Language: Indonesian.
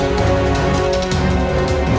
akan aku menang